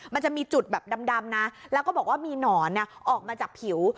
มันจะมีจุดแบบดำนะแล้วก็บอกว่ามีหนอนออกมาจากผิว